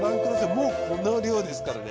もうこの量ですからね。